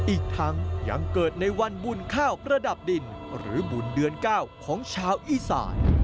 อีกทั้งยังเกิดในวันบุญข้าวประดับดินหรือบุญเดือน๙ของชาวอีสาน